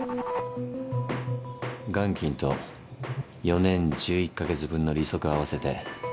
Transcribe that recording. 元金と４年１１カ月分の利息合わせて８，７５０万。